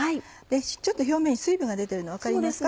ちょっと表面に水分が出ているの分かりますか？